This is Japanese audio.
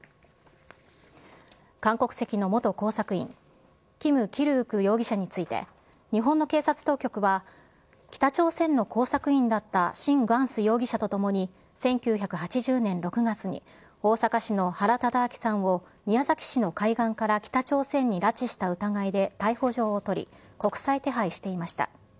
韓国籍の元工作員、キム・キルウク容疑者について、日本の警察当局は、北朝鮮の工作員だったシン・グァンス容疑者とともに、１９８０年６月に、大阪市の原敕晁さんを宮崎市の海岸から北朝鮮に拉致した疑いで逮捕状を取り、国際手配していました。